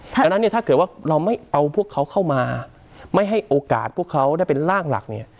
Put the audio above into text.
ดังนั้นเนี่ยถ้าเกิดว่าเราไม่เอาพวกเขาเข้ามาไม่ให้โอกาสพวกเขาได้เป็นร่างหลักเนี่ย